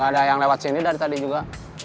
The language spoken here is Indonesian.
ada yang lewat sini dari tadi juga